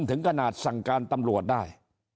ถึงขนาดสั่งการตำรวจได้